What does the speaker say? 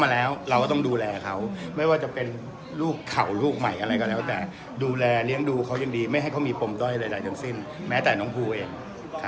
เราก็ต้องดูแลเขาไม่ว่าจะเป็นลูกเข่าลูกใหม่อะไรก็แล้วแต่ดูแลเลี้ยงดูเขายังดีไม่ให้เขามีปมด้อยใดทั้งสิ้นแม้แต่น้องภูเอง